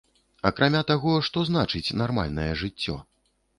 Акрамя таго, што значыць нармальнае жыццё?